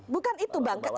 bukan itu bang